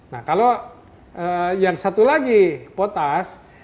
nah kalau yang satu lagi potas